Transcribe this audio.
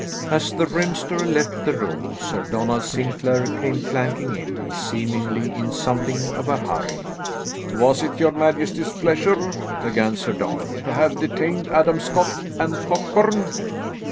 As the rhymster left the room, Sir Donald Sinclair came clanking in, seemingly in something of a hurry. "Was it your majesty's pleasure," began Sir Donald, "to have detained Adam Scott and Cockburn?"